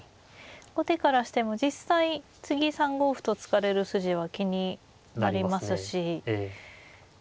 後手からしても実際次３五歩と突かれる筋は気になりますし具体的な手が見えないと。